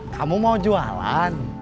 kamu mau jualan